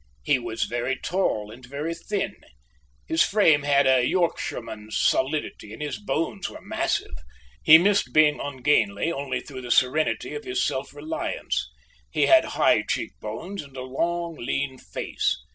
He was very tall and very thin. His frame had a Yorkshireman's solidity, and his bones were massive. He missed being ungainly only through the serenity of his self reliance. He had high cheek bones and a long, lean face.